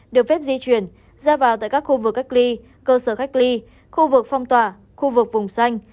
được phép di chuyển ra vào tại các khu vực cách ly cơ sở cách ly khu vực phong tỏa khu vực vùng xanh